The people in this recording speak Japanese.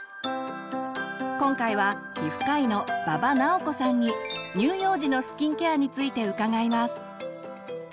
今回は皮膚科医の馬場直子さんに乳幼児のスキンケアについて伺います。